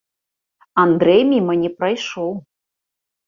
Андрэй міма не прайшоў.